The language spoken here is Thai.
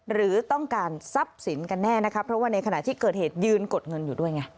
เห็นหน้าชัดเลยครับ